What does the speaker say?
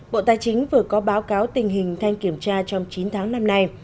bộ tài chính vừa có báo cáo tình hình thanh kiểm tra trong chín tháng năm nay